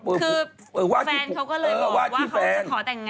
คือแฟนเขาก็เลยบอกว่าเขาจะขอแต่งงาน